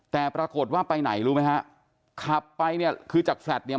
แต่ปรากฏว่าไปไหนรู้ไหมฮะขับไปเนี่ยคือจากแฟลตเนี่ย